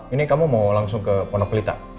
ini kamu mau langsung ke ponak pelita